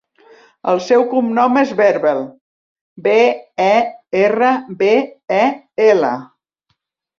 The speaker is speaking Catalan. El seu cognom és Berbel: be, e, erra, be, e, ela.